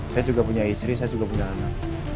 saya juga punya istri saya juga punya anak